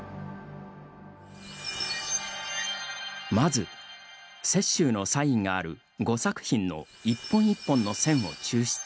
まず、雪舟のサインがある５作品の１本１本の線を抽出。